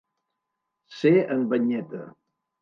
Ser en Banyeta.